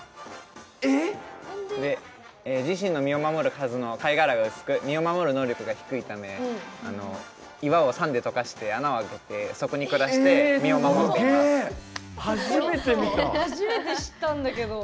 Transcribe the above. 自身の身を守るはずの貝殻が薄く身を守る能力が低いため岩を酸で溶かして穴を開けてそこに暮らして身を守ってます。